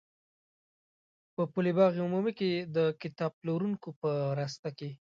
په پل باغ عمومي کې د کتاب پلورونکو په راسته کې.